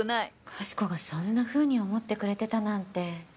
かしこがそんなふうに思ってくれてたなんて。